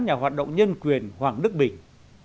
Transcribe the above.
nhà hoạt động nhân quyền hoàng đức bình